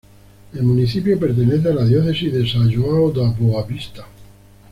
El municipio pertenece a la Diócesis de São João da Boa Vista.